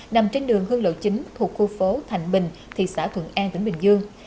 nằm trên đường hương lộ chín thuộc khu phố thạnh bình thị xã thuận an tỉnh bình dương